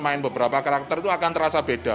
main beberapa karakter itu akan terasa beda